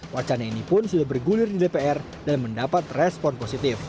wacana ini pun sudah bergulir di dpr dan mendapat respon positif